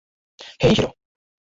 হেই, hero!